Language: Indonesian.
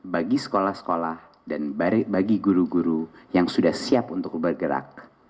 bagi sekolah sekolah dan bagi guru guru yang sudah siap untuk bergerak